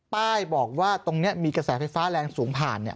ป้ายบอกว่าตรงนี้มีกระแสไฟฟ้าแรงสูงผ่าน